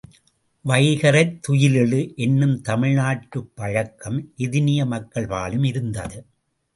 வைகறைத் துயிலெழு என்னும் தமிழ்நாட்டுப் பழக்கம் எதினிய மக்கள் பாலும் இருந்தது.